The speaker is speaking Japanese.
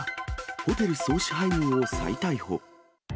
ホテル総支配人を再逮捕。